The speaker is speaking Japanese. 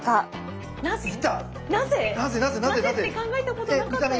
なぜって考えたことなかったよ。